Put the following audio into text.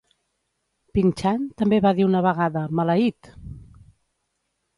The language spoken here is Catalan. Pink-chan també va dir una vegada "maleït!"